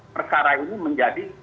perkara ini menjadi